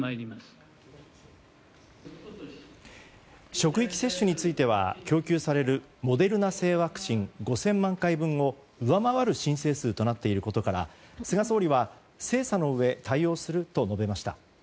職域接種については供給されるモデルナ製ワクチン５０００万回分を上回る申請数となっていることから菅総理は精査のうえ対応すると述べました。